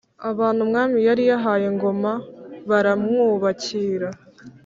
abantu umwami yari yahaye Ngoma baramwubakira.